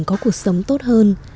có cuộc sống tốt hơn